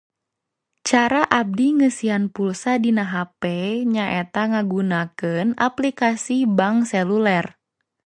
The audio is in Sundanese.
Cara abdi ngeusian pulsa dina hape nyaeta ngagunakeun aplikasi bank seluler